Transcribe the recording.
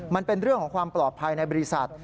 มันเป็นเรื่องของความปลอดภัยในบริษัท